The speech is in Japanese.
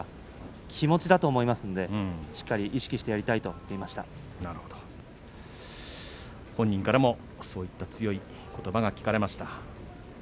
気持ちだと思いますのでしっかり意識してやりたいと言って本人からもそういった強いことばが聞かれました。